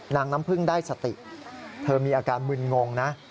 น้ำพึ่งได้สติเธอมีอาการมึนงงนะ